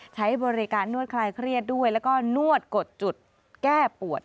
ใช้บริการนวดคลายเครียดด้วยแล้วก็นวดกดจุดแก้ปวด